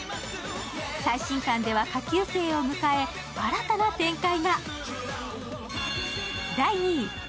最新刊では、下級生を迎え新たな展開が。